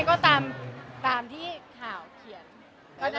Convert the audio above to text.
ก็นักข่าวตาก่อนนะ